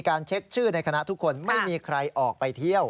เช็คชื่อในคณะทุกคนไม่มีใครออกไปเที่ยว